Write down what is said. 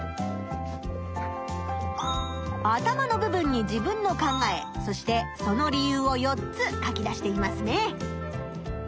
頭の部分に自分の考えそしてその理由を４つ書き出していますね。